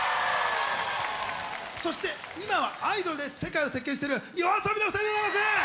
そして今は「アイドル」で世界を席巻しているＹＯＡＳＯＢＩのお二人でございます！